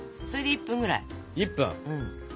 １分。